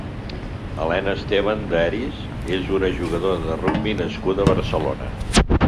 Helena Estevan de Heriz és una jugadora de rugbi nascuda a Barcelona.